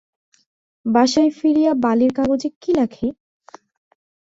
বাসায় ফিরিয়া বালির কাগজে কি লেখে।